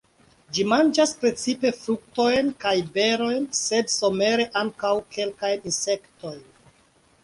Ĝi manĝas precipe fruktojn kaj berojn, sed somere ankaŭ kelkajn insektojn.